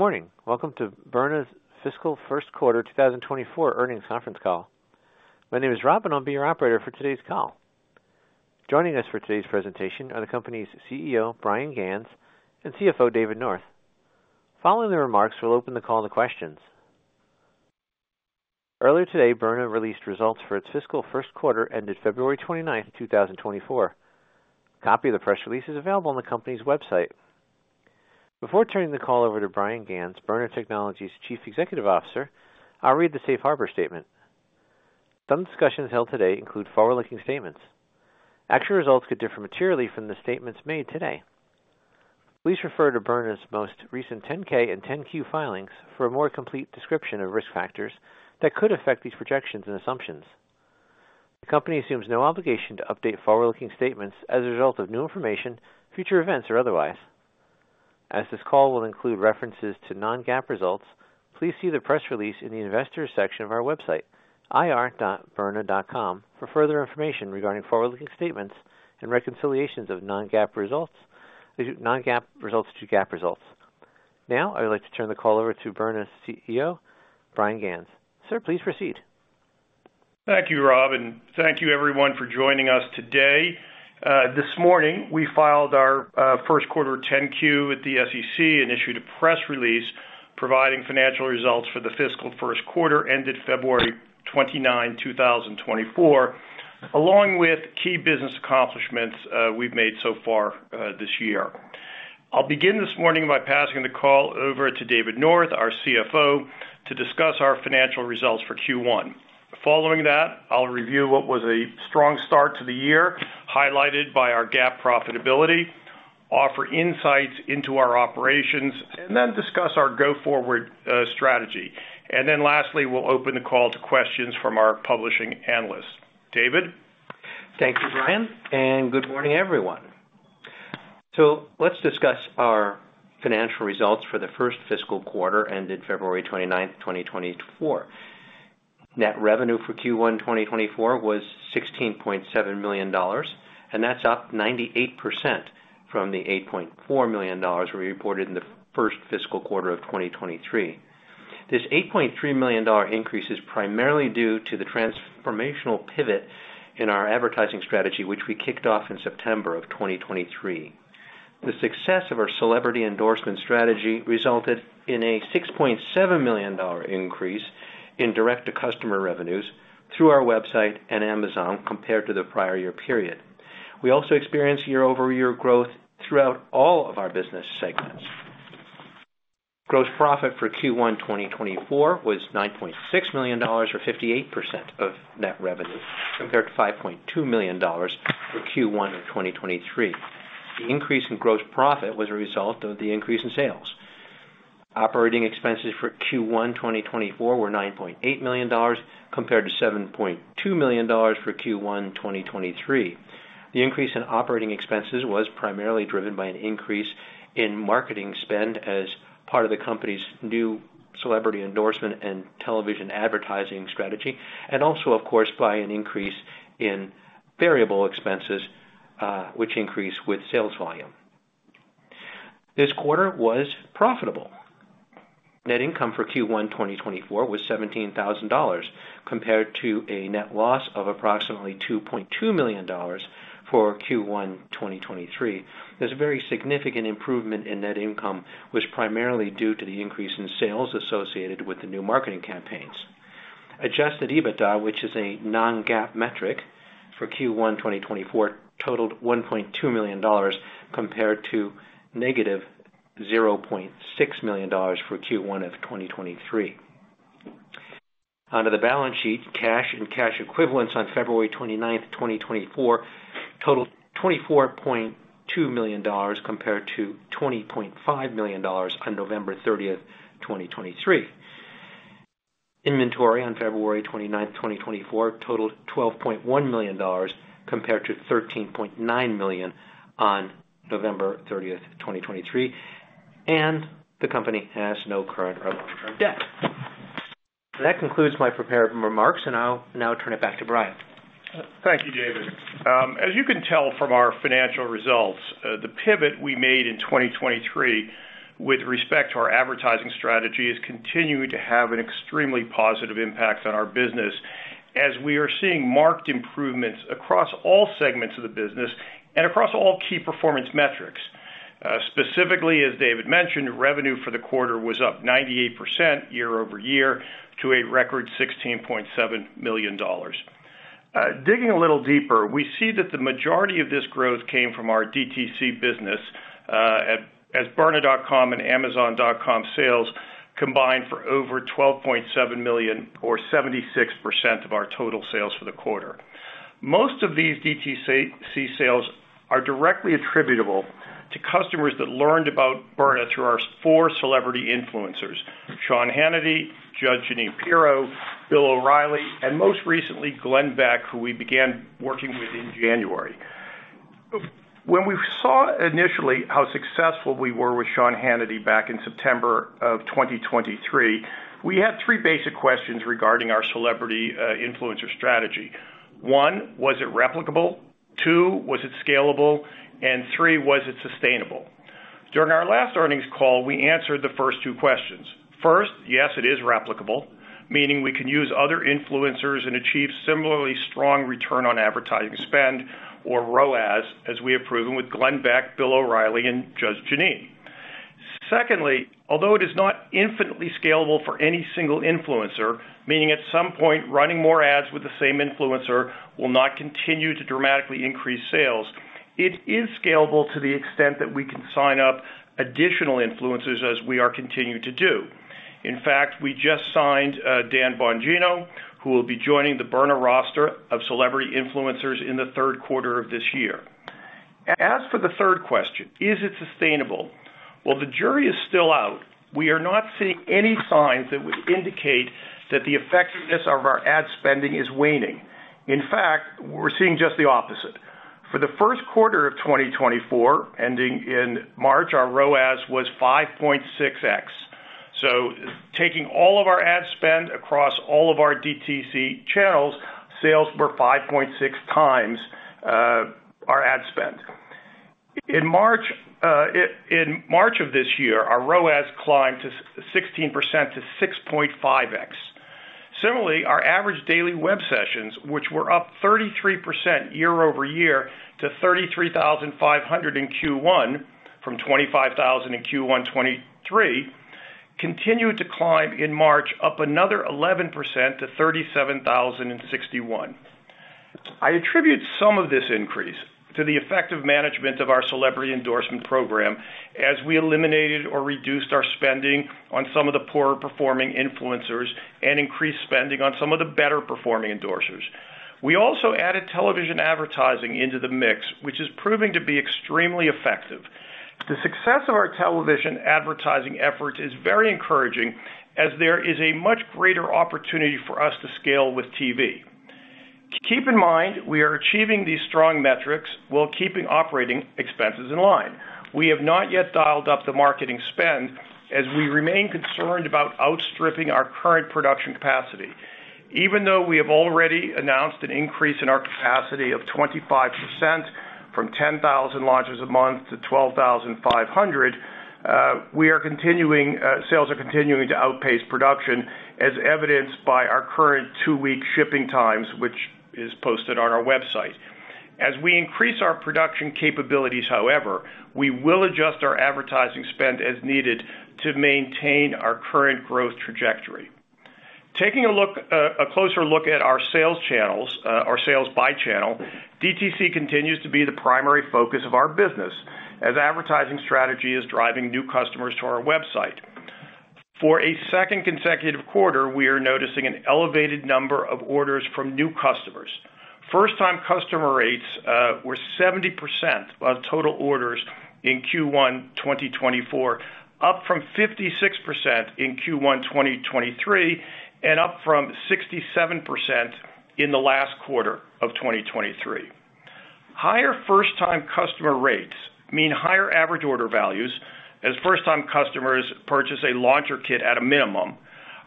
Good morning. Welcome to Byrna's Fiscal Q1 2024 Earnings Conference Call. My name is Rob and I'll be your operator for today's call. Joining us for today's presentation are the company's CEO Bryan Ganz and CFO David North. Following the remarks we'll open the call to questions. Earlier today Byrna released results for its fiscal Q1 ended February 29th 2024. A copy of the press release is available on the company's website. Before turning the call over to Bryan Ganz, Byrna Technologies' Chief Executive Officer, I'll read the Safe Harbor Statement. Some discussions held today include forward-looking statements. Actual results could differ materially from the statements made today. Please refer to Byrna's most recent 10-K and 10-Q filings for a more complete description of risk factors that could affect these projections and assumptions. The company assumes no obligation to update forward-looking statements as a result of new information, future events, or otherwise. As this call will include references to non-GAAP results, please see the press release in the Investors section of our website ir.byrna.com for further information regarding forward-looking statements and reconciliations of non-GAAP results to GAAP results. Now I'd like to turn the call over to Byrna's CEO Bryan Ganz. Sir, please proceed. Thank you, Rob, and thank you everyone for joining us today. This morning we filed our Q1 10-Q at the SEC and issued a press release providing financial results for the fiscal Q1 ended February 29, 2024, along with key business accomplishments we've made so far this year. I'll begin this morning by passing the call over to David North, our CFO, to discuss our financial results for Q1. Following that I'll review what was a strong start to the year highlighted by our GAAP profitability, offer insights into our operations, and then discuss our go-forward strategy. Then lastly we'll open the call to questions from our publishing analysts. David? Thank you, Bryan, and good morning everyone. Let's discuss our financial results for the first fiscal quarter ended February 29, 2024. Net revenue for Q1 2024 was $16.7 million, and that's up 98% from the $8.4 million we reported in the first fiscal quarter of 2023. This $8.3 million increase is primarily due to the transformational pivot in our advertising strategy which we kicked off in September of 2023. The success of our celebrity endorsement strategy resulted in a $6.7 million increase in direct-to-consumer revenues through our website and Amazon compared to the prior year period. We also experienced year-over-year growth throughout all of our business segments. Gross profit for Q1 2024 was $9.6 million or 58% of net revenue compared to $5.2 million for Q1 of 2023. The increase in gross profit was a result of the increase in sales. Operating expenses for Q1 2024 were $9.8 million compared to $7.2 million for Q1 2023. The increase in operating expenses was primarily driven by an increase in marketing spend as part of the company's new celebrity endorsement and television advertising strategy, and also, of course, by an increase in variable expenses which increased with sales volume. This quarter was profitable. Net income for Q1 2024 was $17,000 compared to a net loss of approximately $2.2 million for Q1 2023. This very significant improvement in net income was primarily due to the increase in sales associated with the new marketing campaigns. Adjusted EBITDA, which is a non-GAAP metric for Q1 2024, totaled $1.2 million compared to negative $0.6 million for Q1 of 2023. Onto the balance sheet, cash and cash equivalents on February 29, 2024, totaled $24.2 million compared to $20.5 million on November 30, 2023. Inventory on February 29, 2024, totaled $12.1 million compared to $13.9 million on November 30, 2023, and the company has no current or future debt. That concludes my prepared remarks, and I'll now turn it back to Bryan. Thank you, David. As you can tell from our financial results, the pivot we made in 2023 with respect to our advertising strategy is continuing to have an extremely positive impact on our business as we are seeing marked improvements across all segments of the business and across all key performance metrics. Specifically, as David mentioned, revenue for the quarter was up 98% year-over-year to a record $16.7 million. Digging a little deeper, we see that the majority of this growth came from our DTC business as Byrna.com and Amazon.com sales combined for over $12.7 million or 76% of our total sales for the quarter. Most of these DTC sales are directly attributable to customers that learned about Byrna through our four celebrity influencers: Sean Hannity, Judge Jeanine Pirro, Bill O'Reilly, and most recently Glenn Beck, who we began working with in January. When we saw initially how successful we were with Sean Hannity back in September of 2023, we had three basic questions regarding our celebrity influencer strategy. One, was it replicable? Two, was it scalable? And three, was it sustainable? During our last earnings call, we answered the first two questions. First, yes, it is replicable, meaning we can use other influencers and achieve similarly strong return on advertising spend or ROAS as we have proven with Glenn Beck, Bill O'Reilly, and Judge Jeanine. Secondly, although it is not infinitely scalable for any single influencer, meaning at some point running more ads with the same influencer will not continue to dramatically increase sales, it is scalable to the extent that we can sign up additional influencers as we are continuing to do. In fact, we just signed Dan Bongino, who will be joining the Byrna roster of celebrity influencers in the Q3 of this year. As for the third question, is it sustainable? Well, the jury is still out. We are not seeing any signs that would indicate that the effectiveness of our ad spending is waning. In fact, we're seeing just the opposite. For the Q1 of 2024 ending in March, our ROAS was 5.6x. So taking all of our ad spend across all of our DTC channels, sales were 5.6 times our ad spend. In March of this year, our ROAS climbed 16% to 6.5x. Similarly, our average daily web sessions, which were up 33% year-over-year to 33,500 in Q1 from 25,000 in Q1 2023, continued to climb in March up another 11% to 37,061. I attribute some of this increase to the effective management of our celebrity endorsement program as we eliminated or reduced our spending on some of the poorer-performing influencers and increased spending on some of the better-performing endorsers. We also added television advertising into the mix, which is proving to be extremely effective. The success of our television advertising efforts is very encouraging as there is a much greater opportunity for us to scale with TV. Keep in mind we are achieving these strong metrics while keeping operating expenses in line. We have not yet dialed up the marketing spend as we remain concerned about outstripping our current production capacity. Even though we have already announced an increase in our capacity of 25% from 10,000 launches a month to 12,500, sales are continuing to outpace production as evidenced by our current two-week shipping times, which is posted on our website. As we increase our production capabilities, however, we will adjust our advertising spend as needed to maintain our current growth trajectory. Taking a closer look at our sales by channel, DTC continues to be the primary focus of our business as advertising strategy is driving new customers to our website. For a second consecutive quarter, we are noticing an elevated number of orders from new customers. First-time customer rates were 70% of total orders in Q1 2024, up from 56% in Q1 2023 and up from 67% in the last quarter of 2023. Higher first-time customer rates mean higher average order values as first-time customers purchase a launcher kit at a minimum.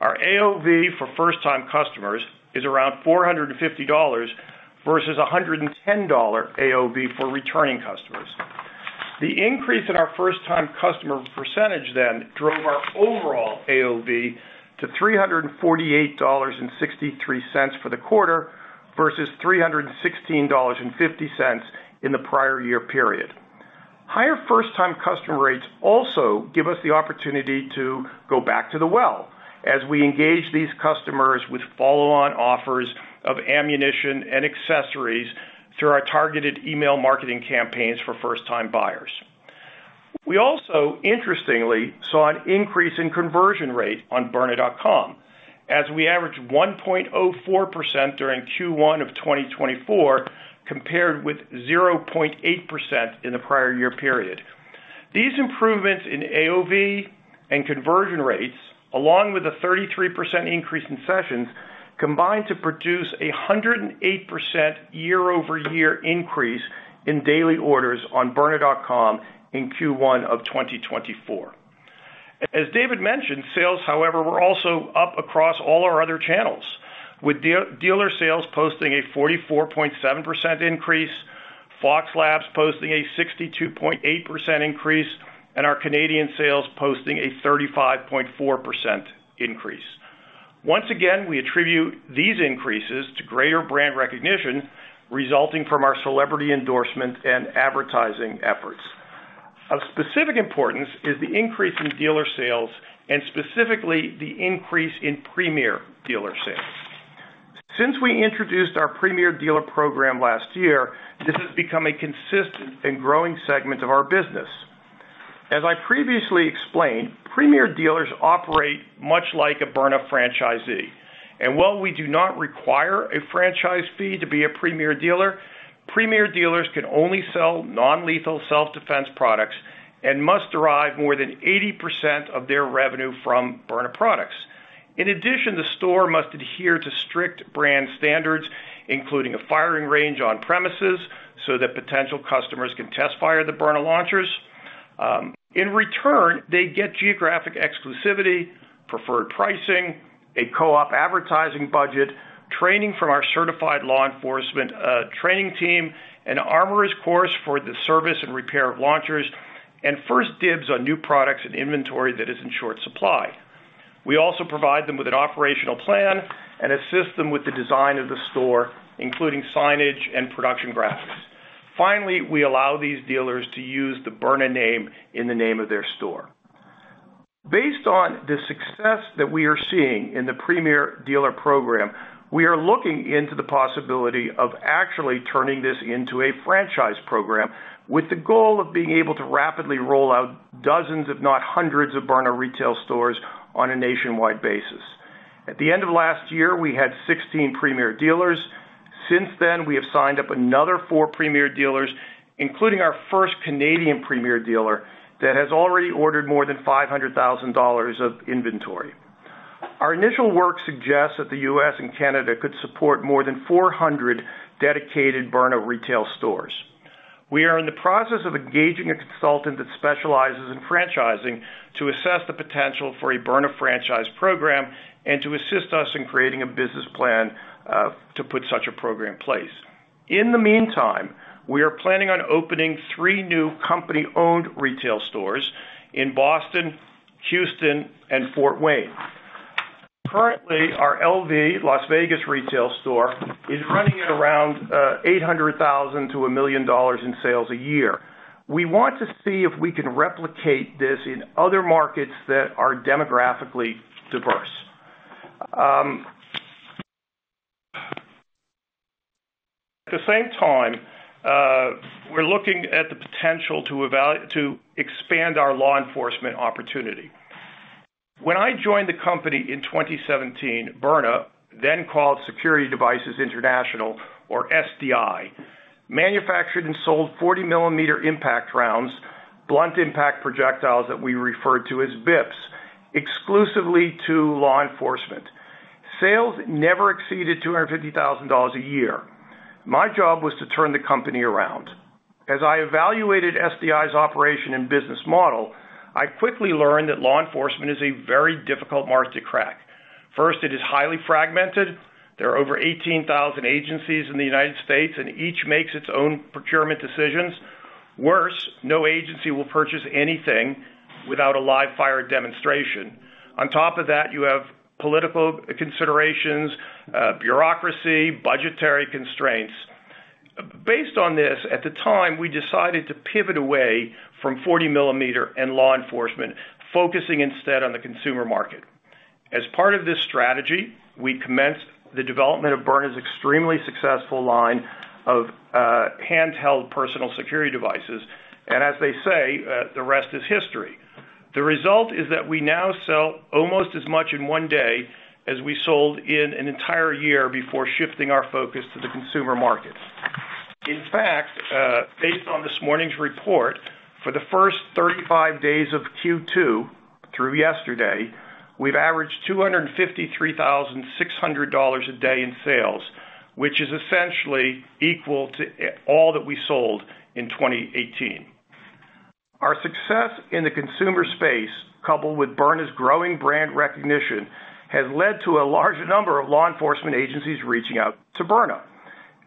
Our AOV for first-time customers is around $450 versus $110 AOV for returning customers. The increase in our first-time customer percentage, then, drove our overall AOV to $348.63 for the quarter versus $316.50 in the prior year period. Higher first-time customer rates also give us the opportunity to go back to the well as we engage these customers with follow-on offers of ammunition and accessories through our targeted email marketing campaigns for first-time buyers. We also, interestingly, saw an increase in conversion rate on Byrna.com as we averaged 1.04% during Q1 of 2024 compared with 0.8% in the prior year period. These improvements in AOV and conversion rates, along with a 33% increase in sessions, combined to produce a 108% year-over-year increase in daily orders on Byrna.com in Q1 of 2024. As David mentioned, sales, however, were also up across all our other channels, with dealer sales posting a 44.7% increase, Fox Labs posting a 62.8% increase, and our Canadian sales posting a 35.4% increase. Once again, we attribute these increases to greater brand recognition resulting from our celebrity endorsement and advertising efforts. Of specific importance is the increase in dealer sales and specifically the increase in Premier Dealer sales. Since we introduced our Premier Dealer Program last year, this has become a consistent and growing segment of our business. As I previously explained, Premier Dealers operate much like a Byrna franchisee. And while we do not require a franchise fee to be a Premier Dealer, Premier Dealers can only sell non-lethal self-defense products and must derive more than 80% of their revenue from Byrna products. In addition, the store must adhere to strict brand standards including a firing range on premises so that potential customers can test fire the Byrna launchers. In return, they get geographic exclusivity, preferred pricing, a co-op advertising budget, training from our certified law enforcement training team, an armorers course for the service and repair of launchers, and first dibs on new products and inventory that is in short supply. We also provide them with an operational plan and assist them with the design of the store including signage and production graphics. Finally, we allow these dealers to use the Byrna name in the name of their store. Based on the success that we are seeing in the Premier Dealer Program, we are looking into the possibility of actually turning this into a franchise program with the goal of being able to rapidly roll out dozens, if not hundreds, of Byrna retail stores on a nationwide basis. At the end of last year, we had 16 Premier Dealers. Since then, we have signed up another four Premier Dealers including our first Canadian Premier Dealer that has already ordered more than $500,000 of inventory. Our initial work suggests that the U.S. and Canada could support more than 400 dedicated Byrna retail stores. We are in the process of engaging a consultant that specializes in franchising to assess the potential for a Byrna franchise program and to assist us in creating a business plan to put such a program in place. In the meantime, we are planning on opening three new company-owned retail stores in Boston, Houston, and Fort Wayne. Currently, our Las Vegas retail store is running at around $800,000-$1 million in sales a year. We want to see if we can replicate this in other markets that are demographically diverse. At the same time, we're looking at the potential to expand our law enforcement opportunity. When I joined the company in 2017, Byrna, then called Security Devices International or SDI, manufactured and sold 40-millimeter impact rounds, blunt impact projectiles that we referred to as BIPs, exclusively to law enforcement. Sales never exceeded $250,000 a year. My job was to turn the company around. As I evaluated SDI's operation and business model, I quickly learned that law enforcement is a very difficult market to crack. First, it is highly fragmented. There are over 18,000 agencies in the United States, and each makes its own procurement decisions. Worse, no agency will purchase anything without a live-fire demonstration. On top of that, you have political considerations, bureaucracy, budgetary constraints. Based on this, at the time, we decided to pivot away from 40-millimeter and law enforcement, focusing instead on the consumer market. As part of this strategy, we commenced the development of Byrna's extremely successful line of handheld personal security devices. And as they say, the rest is history. The result is that we now sell almost as much in one day as we sold in an entire year before shifting our focus to the consumer market. In fact, based on this morning's report, for the first 35 days of Q2 through yesterday, we've averaged $253,600 a day in sales, which is essentially equal to all that we sold in 2018. Our success in the consumer space, coupled with Byrna's growing brand recognition, has led to a larger number of law enforcement agencies reaching out to Byrna.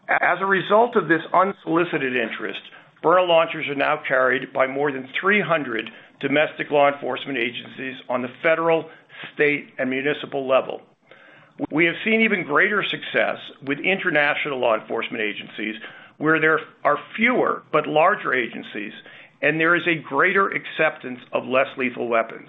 As a result of this unsolicited interest, Byrna launchers are now carried by more than 300 domestic law enforcement agencies on the federal, state, and municipal level. We have seen even greater success with international law enforcement agencies where there are fewer but larger agencies, and there is a greater acceptance of less lethal weapons.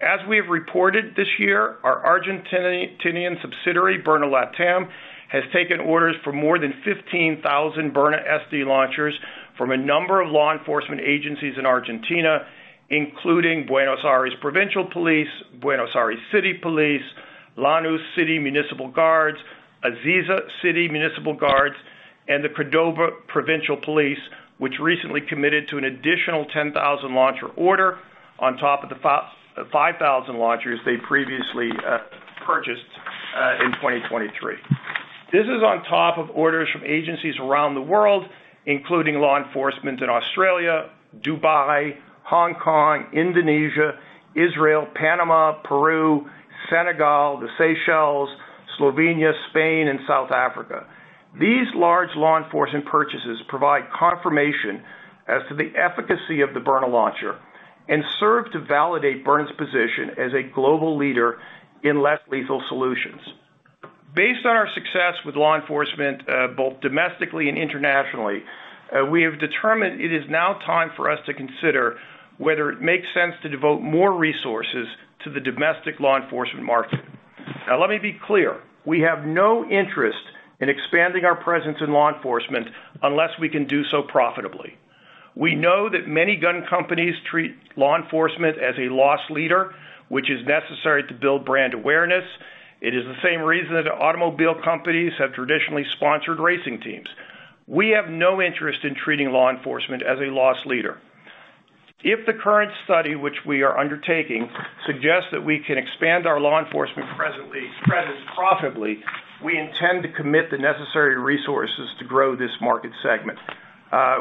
As we have reported this year, our Argentinian subsidiary, Byrna Latam, has taken orders for more than 15,000 Byrna SD launchers from a number of law enforcement agencies in Argentina, including Buenos Aires Provincial Police, Buenos Aires City Police, Lanús City Municipal Guards, Azul City Municipal Guards, and the Cordoba Provincial Police, which recently committed to an additional 10,000 launcher order on top of the 5,000 launchers they previously purchased in 2023. This is on top of orders from agencies around the world, including law enforcement in Australia, Dubai, Hong Kong, Indonesia, Israel, Panama, Peru, Senegal, the Seychelles, Slovenia, Spain, and South Africa. These large law enforcement purchases provide confirmation as to the efficacy of the Byrna launcher and serve to validate Byrna's position as a global leader in less lethal solutions. Based on our success with law enforcement both domestically and internationally, we have determined it is now time for us to consider whether it makes sense to devote more resources to the domestic law enforcement market. Now, let me be clear. We have no interest in expanding our presence in law enforcement unless we can do so profitably. We know that many gun companies treat law enforcement as a loss leader, which is necessary to build brand awareness. It is the same reason that automobile companies have traditionally sponsored racing teams. We have no interest in treating law enforcement as a loss leader. If the current study, which we are undertaking, suggests that we can expand our law enforcement presence profitably, we intend to commit the necessary resources to grow this market segment.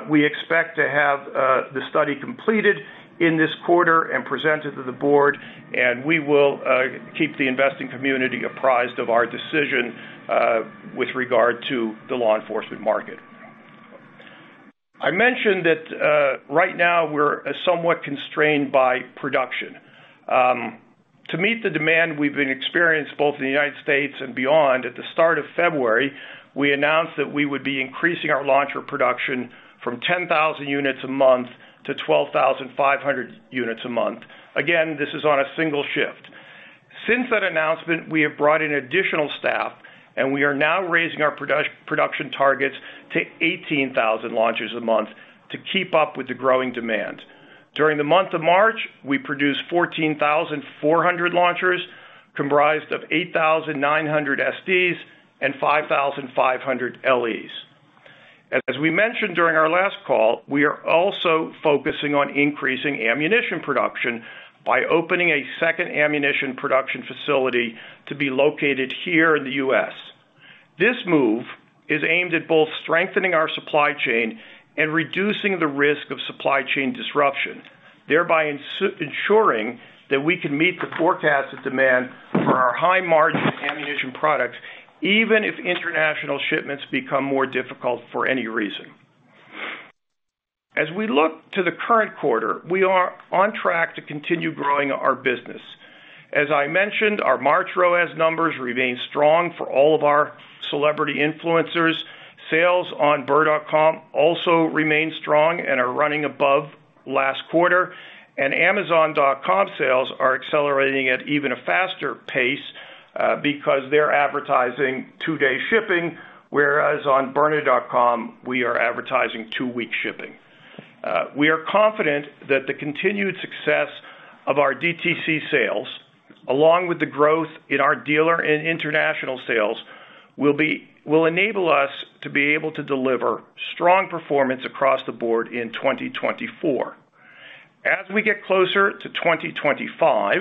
We expect to have the study completed in this quarter and presented to the board, and we will keep the investing community apprised of our decision with regard to the law enforcement market. I mentioned that right now we're somewhat constrained by production. To meet the demand we've experienced both in the United States and beyond, at the start of February, we announced that we would be increasing our launcher production from 10,000 units a month to 12,500 units a month. Again, this is on a single shift. Since that announcement, we have brought in additional staff, and we are now raising our production targets to 18,000 launchers a month to keep up with the growing demand. During the month of March, we produced 14,400 launchers comprised of 8,900 SDs and 5,500 LEs. As we mentioned during our last call, we are also focusing on increasing ammunition production by opening a second ammunition production facility to be located here in the U.S. This move is aimed at both strengthening our supply chain and reducing the risk of supply chain disruption, thereby ensuring that we can meet the forecasted demand for our high-margin ammunition products even if international shipments become more difficult for any reason. As we look to the current quarter, we are on track to continue growing our business. As I mentioned, our March ROAS numbers remain strong for all of our celebrity influencers. Sales on Byrna.com also remain strong and are running above last quarter. Amazon.com sales are accelerating at even a faster pace because they're advertising two-day shipping, whereas on Byrna.com, we are advertising two-week shipping. We are confident that the continued success of our DTC sales, along with the growth in our dealer and international sales, will enable us to be able to deliver strong performance across the board in 2024. As we get closer to 2025,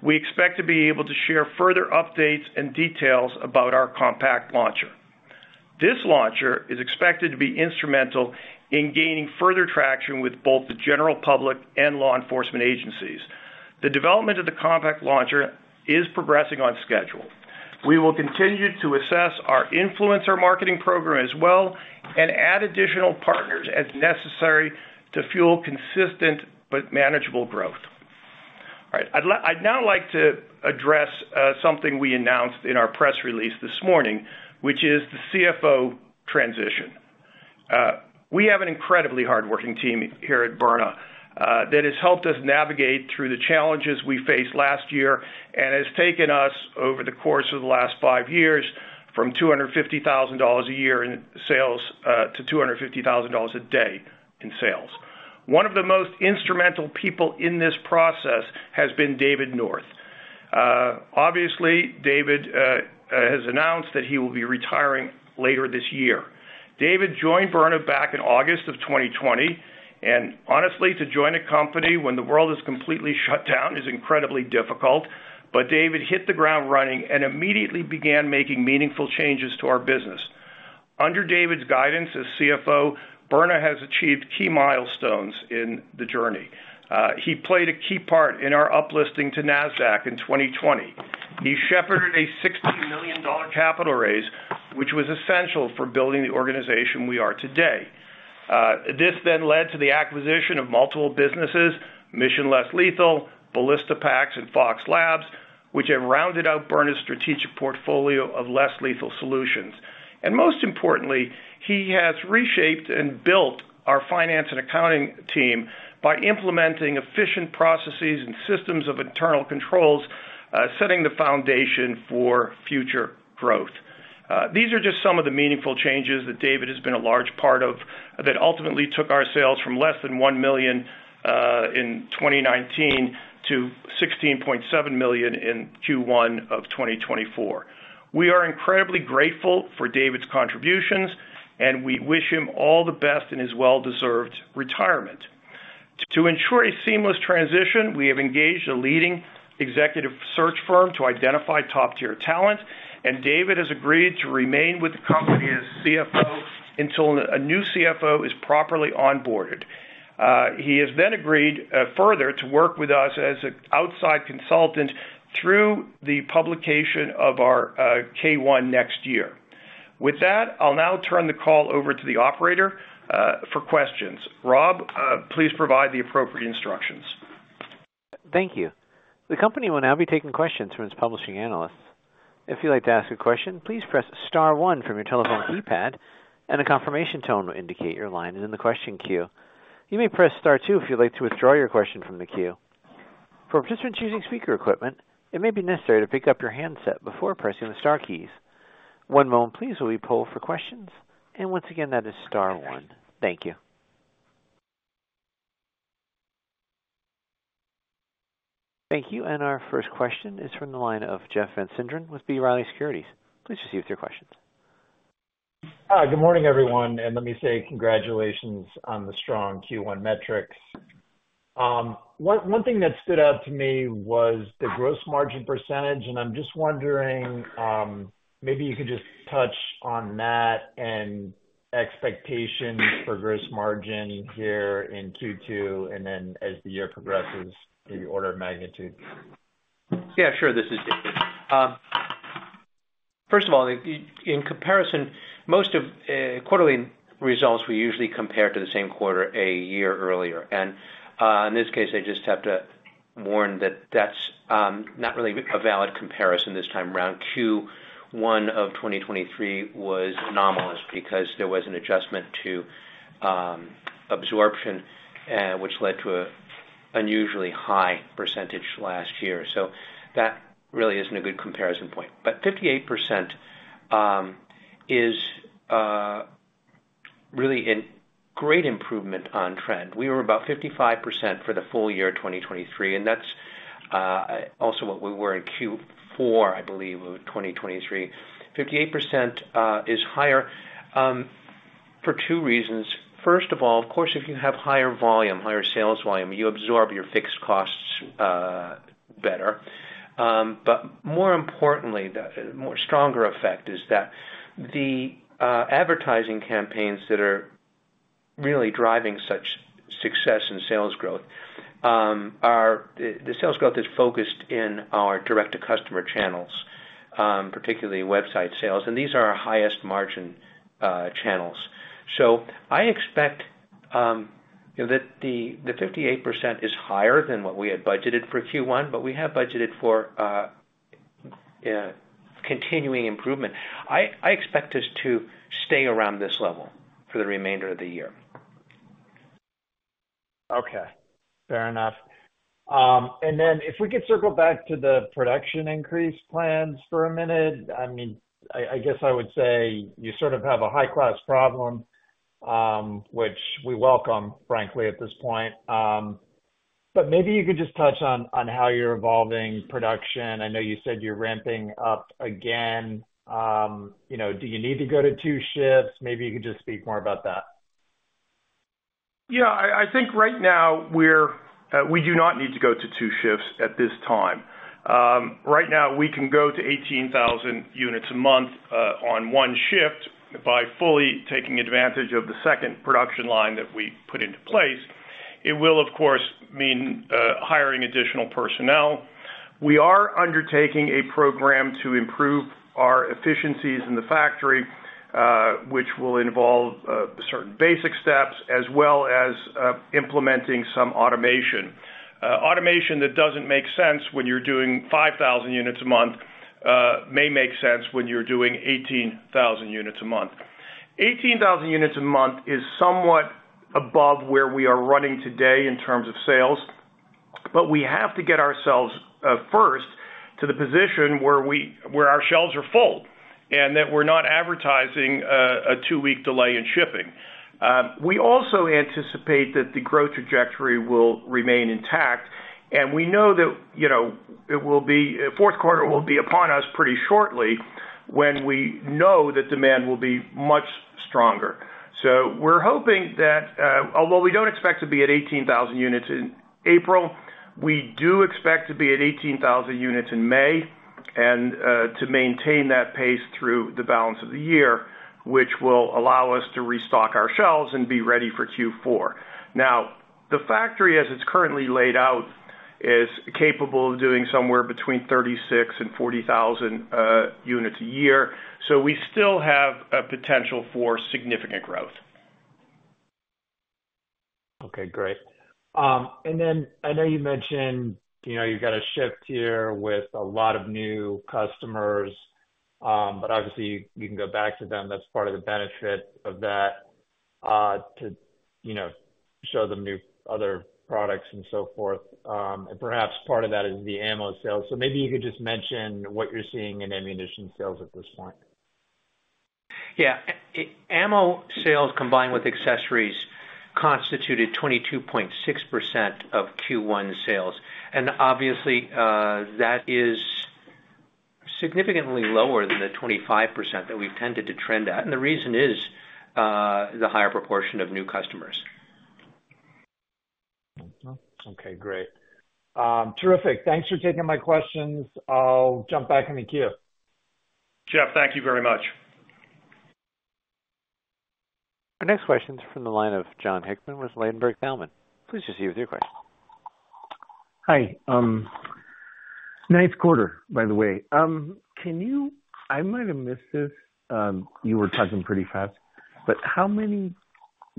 we expect to be able to share further updates and details about our compact launcher. This launcher is expected to be instrumental in gaining further traction with both the general public and law enforcement agencies. The development of the compact launcher is progressing on schedule. We will continue to assess our influencer marketing program as well and add additional partners as necessary to fuel consistent but manageable growth. All right. I'd now like to address something we announced in our press release this morning, which is the CFO transition. We have an incredibly hardworking team here at Byrna that has helped us navigate through the challenges we faced last year and has taken us, over the course of the last five years, from $250,000 a year in sales to $250,000 a day in sales. One of the most instrumental people in this process has been David North. Obviously, David has announced that he will be retiring later this year. David joined Byrna back in August of 2020. And honestly, to join a company when the world is completely shut down is incredibly difficult. But David hit the ground running and immediately began making meaningful changes to our business. Under David's guidance as CFO, Byrna has achieved key milestones in the journey. He played a key part in our uplisting to Nasdaq in 2020. He shepherded a $60 million capital raise, which was essential for building the organization we are today. This then led to the acquisition of multiple businesses, Mission Less Lethal, Ballistipax, and Fox Labs, which have rounded out Byrna's strategic portfolio of less lethal solutions. Most importantly, he has reshaped and built our finance and accounting team by implementing efficient processes and systems of internal controls, setting the foundation for future growth. These are just some of the meaningful changes that David has been a large part of that ultimately took our sales from less than $1 million in 2019 to $16.7 million in Q1 of 2024. We are incredibly grateful for David's contributions, and we wish him all the best in his well-deserved retirement. To ensure a seamless transition, we have engaged a leading executive search firm to identify top-tier talent, and David has agreed to remain with the company as CFO until a new CFO is properly onboarded. He has then agreed further to work with us as an outside consultant through the publication of our 10-K next year. With that, I'll now turn the call over to the operator for questions. Rob, please provide the appropriate instructions. Thank you. The company will now be taking questions from its participating analysts. If you'd like to ask a question, please press star one from your telephone keypad, and a confirmation tone will indicate your line is in the question queue. You may press star two if you'd like to withdraw your question from the queue. For participants using speaker equipment, it may be necessary to pick up your handset before pressing the star keys. One moment, please, while we poll for questions. And once again, that is star one. Thank you. Thank you. Our first question is from the line of Jeff Van Sinderen with B. Riley Securities. Please proceed with your question. Hi. Good morning, everyone. Let me say congratulations on the strong Q1 metrics. One thing that stood out to me was the gross margin percentage. I'm just wondering, maybe you could just touch on that and expectations for gross margin here in Q2 and then as the year progresses in the order of magnitude? Yeah. Sure. This is David. First of all, in comparison, most of quarterly results we usually compare to the same quarter a year earlier. In this case, I just have to warn that that's not really a valid comparison this time around. Q1 of 2023 was anomalous because there was an adjustment to absorption, which led to an unusually high percentage last year. So that really isn't a good comparison point. But 58% is really a great improvement on trend. We were about 55% for the full year 2023. And that's also what we were in Q4, I believe, of 2023. 58% is higher for two reasons. First of all, of course, if you have higher volume, higher sales volume, you absorb your fixed costs better. But more importantly, the stronger effect is that the advertising campaigns that are really driving such success and sales growth are the sales growth is focused in our direct-to-consumer channels, particularly website sales. And these are our highest margin channels. So I expect that the 58% is higher than what we had budgeted for Q1, but we have budgeted for continuing improvement. I expect us to stay around this level for the remainder of the year. Okay. Fair enough. And then if we could circle back to the production increase plans for a minute, I mean, I guess I would say you sort of have a high-class problem, which we welcome, frankly, at this point. But maybe you could just touch on how you're evolving production. I know you said you're ramping up again. Do you need to go to two shifts? Maybe you could just speak more about that. Yeah. I think right now, we do not need to go to two shifts at this time. Right now, we can go to 18,000 units a month on one shift by fully taking advantage of the second production line that we put into place. It will, of course, mean hiring additional personnel. We are undertaking a program to improve our efficiencies in the factory, which will involve certain basic steps as well as implementing some automation. Automation that doesn't make sense when you're doing 5,000 units a month may make sense when you're doing 18,000 units a month. 18,000 units a month is somewhat above where we are running today in terms of sales. But we have to get ourselves first to the position where our shelves are full and that we're not advertising a two-week delay in shipping. We also anticipate that the growth trajectory will remain intact. We know that it will be Q4 will be upon us pretty shortly when we know that demand will be much stronger. We're hoping that although we don't expect to be at 18,000 units in April, we do expect to be at 18,000 units in May and to maintain that pace through the balance of the year, which will allow us to restock our shelves and be ready for Q4. Now, the factory, as it's currently laid out, is capable of doing somewhere between 36,000-40,000 units a year. We still have potential for significant growth. Okay. Great. And then I know you mentioned you've got a shift here with a lot of new customers. But obviously, you can go back to them. That's part of the benefit of that, to show them new other products and so forth. And perhaps part of that is the ammo sales. So maybe you could just mention what you're seeing in ammunition sales at this point. Yeah. Ammo sales combined with accessories constituted 22.6% of Q1 sales. And obviously, that is significantly lower than the 25% that we've tended to trend at. And the reason is the higher proportion of new customers. Okay. Great. Terrific. Thanks for taking my questions. I'll jump back in the queue. Jeff, thank you very much. Our next question is from the line of Jon Hickman with Ladenburg Thalmann. Please proceed with your question. Hi. Ninth quarter, by the way. I might have missed this. You were talking pretty fast. But how many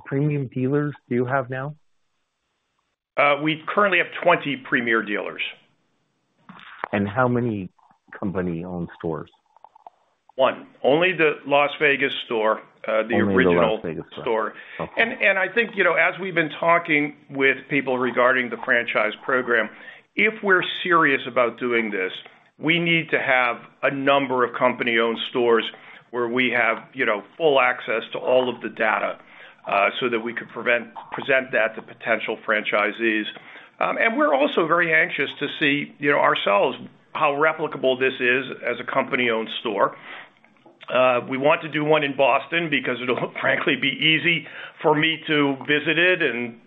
premium dealers do you have now? We currently have 20 Premier Dealers. How many company-owned stores? 1. Only the Las Vegas store, the original store. Only the Las Vegas store. I think as we've been talking with people regarding the franchise program, if we're serious about doing this, we need to have a number of company-owned stores where we have full access to all of the data so that we could present that to potential franchisees. We're also very anxious to see ourselves how replicable this is as a company-owned store. We want to do one in Boston because it'll, frankly, be easy for me to visit it and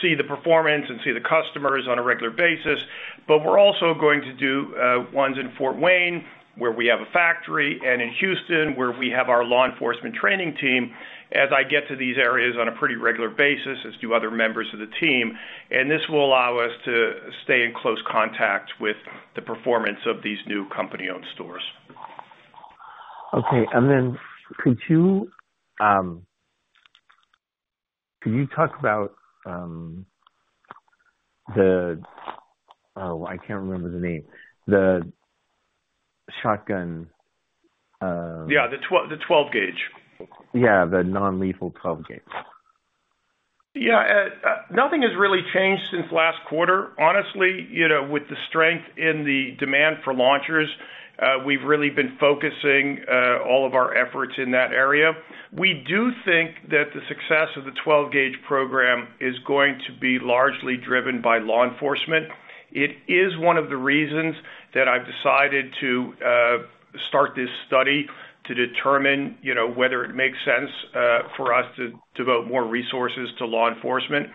see the performance and see the customers on a regular basis. We're also going to do ones in Fort Wayne where we have a factory and in Houston where we have our law enforcement training team as I get to these areas on a pretty regular basis, as do other members of the team. This will allow us to stay in close contact with the performance of these new company-owned stores. Okay. And then could you talk about the oh, I can't remember the name. The shotgun. Yeah. The 12-gauge. Yeah. The non-lethal 12-gauge. Yeah. Nothing has really changed since last quarter. Honestly, with the strength in the demand for launchers, we've really been focusing all of our efforts in that area. We do think that the success of the 12-gauge program is going to be largely driven by law enforcement. It is one of the reasons that I've decided to start this study to determine whether it makes sense for us to devote more resources to law enforcement.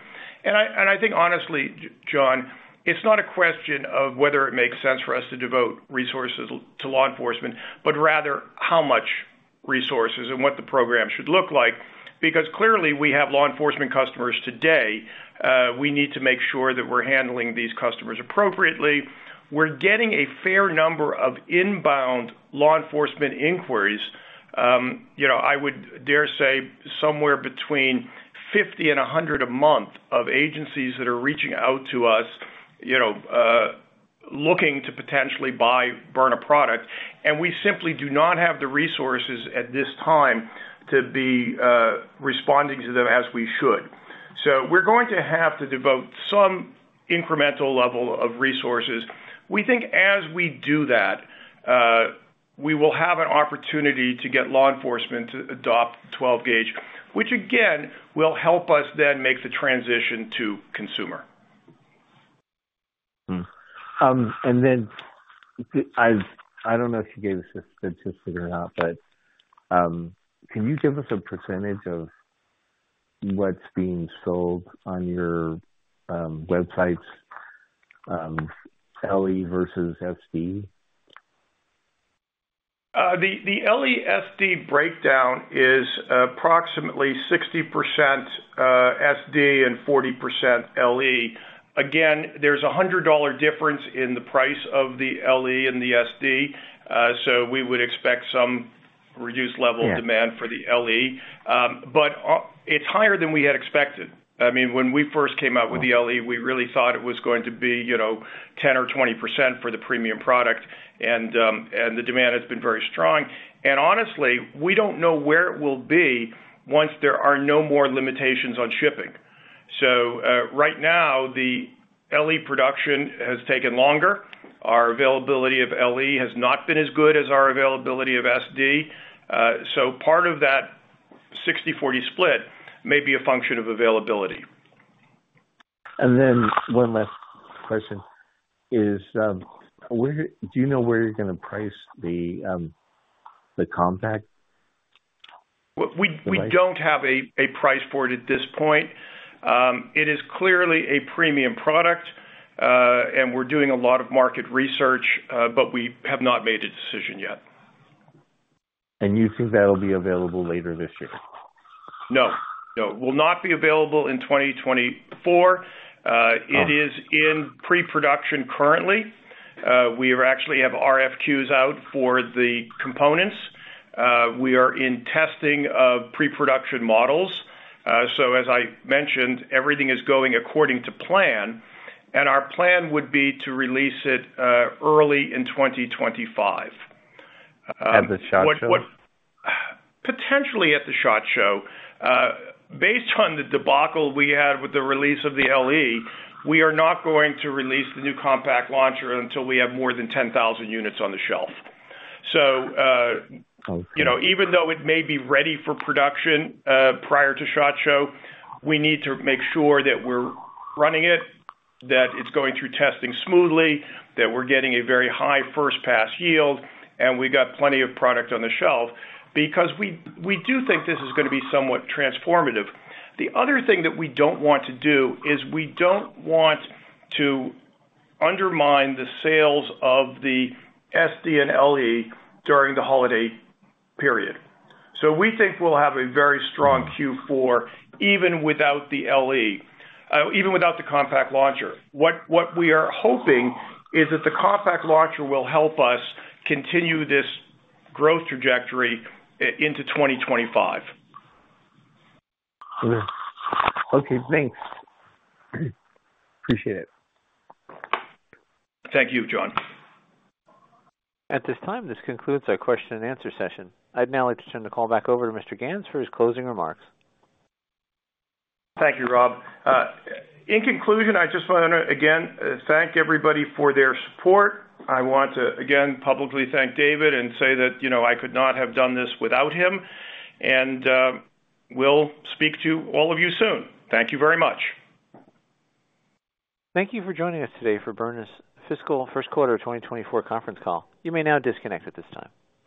And I think, honestly, John, it's not a question of whether it makes sense for us to devote resources to law enforcement, but rather how much resources and what the program should look like. Because clearly, we have law enforcement customers today. We need to make sure that we're handling these customers appropriately. We're getting a fair number of inbound law enforcement inquiries. I would dare say somewhere between 50-100 a month of agencies that are reaching out to us looking to potentially buy Byrna product. We simply do not have the resources at this time to be responding to them as we should. We're going to have to devote some incremental level of resources. We think as we do that, we will have an opportunity to get law enforcement to adopt 12-gauge, which, again, will help us then make the transition to consumer. And then I don't know if you gave us this statistic or not, but can you give us a percentage of what's being sold on your websites, LE versus SD? The LE/SD breakdown is approximately 60% SD and 40% LE. Again, there's a $100 difference in the price of the LE and the SD. So we would expect some reduced level of demand for the LE. But it's higher than we had expected. I mean, when we first came out with the LE, we really thought it was going to be 10% or 20% for the premium product. And the demand has been very strong. And honestly, we don't know where it will be once there are no more limitations on shipping. So right now, the LE production has taken longer. Our availability of LE has not been as good as our availability of SD. So part of that 60/40 split may be a function of availability. One last question is, do you know where you're going to price the compact? We don't have a price for it at this point. It is clearly a premium product. We're doing a lot of market research, but we have not made a decision yet. You think that'll be available later this year? No. No. It will not be available in 2024. It is in pre-production currently. We actually have RFQs out for the components. We are in testing of pre-production models. So as I mentioned, everything is going according to plan. And our plan would be to release it early in 2025. At the SHOT Show? Potentially at the SHOT Show. Based on the debacle we had with the release of the LE, we are not going to release the new compact launcher until we have more than 10,000 units on the shelf. So even though it may be ready for production prior to SHOT Show, we need to make sure that we're running it, that it's going through testing smoothly, that we're getting a very high first-pass yield, and we got plenty of product on the shelf because we do think this is going to be somewhat transformative. The other thing that we don't want to do is we don't want to undermine the sales of the SD and LE during the holiday period. So we think we'll have a very strong Q4 even without the LE, even without the compact launcher. What we are hoping is that the compact launcher will help us continue this growth trajectory into 2025. Okay. Thanks. Appreciate it. Thank you, Jon. At this time, this concludes our question-and-answer session. I'd now like to turn the call back over to Mr. Ganz for his closing remarks. Thank you, Rob. In conclusion, I just want to, again, thank everybody for their support. I want to, again, publicly thank David and say that I could not have done this without him. We'll speak to all of you soon. Thank you very much. Thank you for joining us today for Byrna's fiscal Q1 2024 conference call. You may now disconnect at this time.